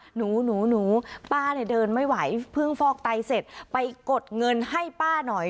หนูหนูป้าเนี่ยเดินไม่ไหวเพิ่งฟอกไตเสร็จไปกดเงินให้ป้าหน่อย